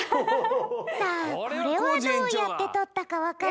さあこれはどうやってとったかわかる？